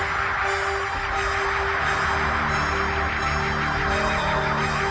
tapi aku tidak melakukan itu